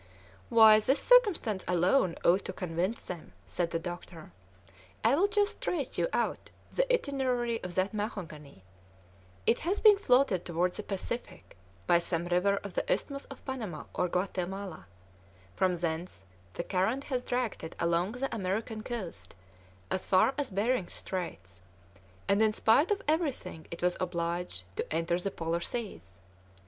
"Why, this circumstance alone ought to convince them," said the doctor; "I will just trace you out the itinerary of that mahogany; it has been floated towards the Pacific by some river of the Isthmus of Panama or Guatemala, from thence the current has dragged it along the American coast as far as Behring's Straits, and in spite of everything it was obliged to enter the Polar Seas.